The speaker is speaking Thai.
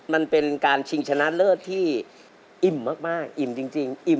มันเป็นการชิงชนะเลิศที่อิ่มมากอิ่มจริงอิ่ม